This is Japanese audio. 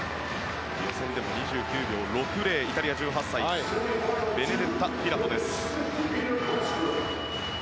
予選でも２９秒６０イタリア、１８歳ベネデッタ・ピラトです。